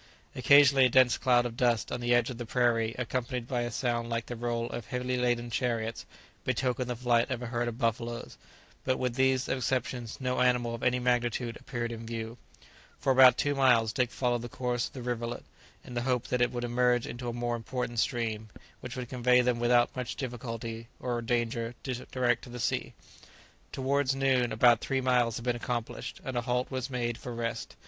Occasionally a dense cloud of dust on the edge of the prairie, accompanied by a sound like the roll of heavily laden chariots, betokened the flight of a herd of buffaloes; but with these exceptions no animal of any magnitude appeared in view. [Illustration: The march was continued with as much rapidity as was consistent with caution.] For about two miles Dick followed the course of the rivulet, in the hope that it would emerge into a more important stream, which would convey them without much difficulty or danger direct to the sea. Towards noon about three miles had been accomplished, and a halt was made for rest.